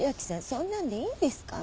そんなんでいいんですか？」